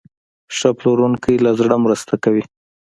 ښه پلورونکی له زړه مرسته کوي.